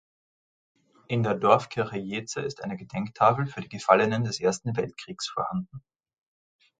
In der Dorfkirche Jeetze ist eine Gedenktafel für die Gefallenen des Ersten Weltkriegs vorhanden.